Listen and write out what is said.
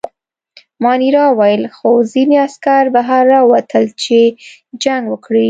مانیرا وویل: خو ځینې عسکر بهر راووتل، چې جنګ وکړي.